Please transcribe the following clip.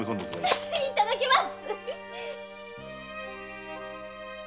いただきます！